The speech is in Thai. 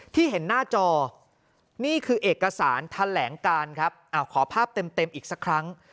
ที่เห็นหน้าจอนี่คือเอกสารแถลงการครับขอภาพเต็มอีกสักครั้ง